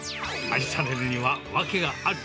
愛されるにはワケがある！